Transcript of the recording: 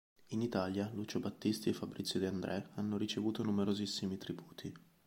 In Italia Lucio Battisti e Fabrizio De André hanno ricevuto numerosissimi tributi.